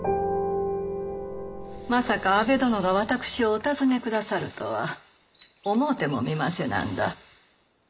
まさか安部殿が私をお訪ねくださるとは思うてもみませなんだ。